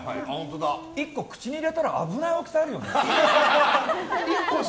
１個口に入れたら危ない大きさあるよね。